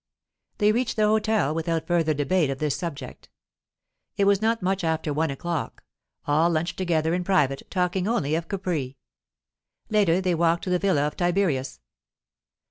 They reached the hotel without further debate of this subject. It was not much after one o'clock; all lunched together in private, talking only of Capri. Later they walked to the villa of Tiberius.